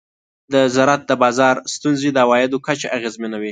د زراعت د بازار ستونزې د عوایدو کچه اغېزمنوي.